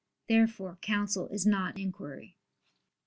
Therefore counsel is not inquiry.